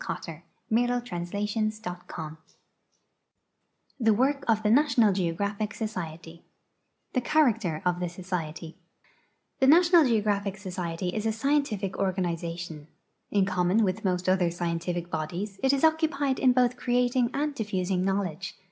8 THE WORK OF THE NATIONAL GEOGRAPHIC SOCIETY* THE CHARACTER OF THE SOCIETY The National Geographic Society is a scientific organization. In common with most other scientific bodies, it is occupied in both creating and diffusing knowledge.